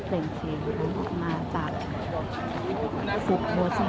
มันเป็นสิ่งที่จะให้ทุกคนรู้สึกว่ามันเป็นสิ่งที่จะให้ทุกคนรู้สึกว่า